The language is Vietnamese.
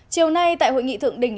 chiều nay tại hội nghị thượng định